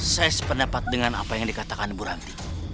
saya sependapat dengan apa yang dikatakan buranti